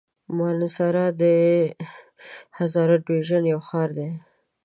مانسهره د هزاره ډويژن يو ښار دی.